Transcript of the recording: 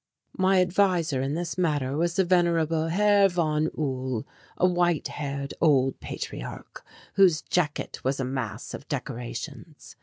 My adviser in this matter was the venerable Herr von Uhl, a white haired old patriarch whose jacket was a mass of decorations.